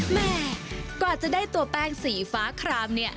แม่กว่าจะได้ตัวแป้งสีฟ้าครามเนี่ย